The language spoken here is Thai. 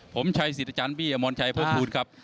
ผมชัยสิรธจานปี่อมรชัยพระทูลครับ